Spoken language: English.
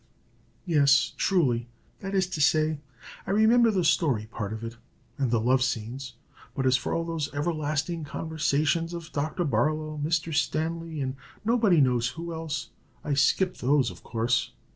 "Yes, truly; that is to say, I remember the story part of it, and the love scenes; but as for all those everlasting conversations of Dr. Barlow, Mr. Stanley, and nobody knows who else, I skipped those, of course.